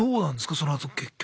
そのあと結局。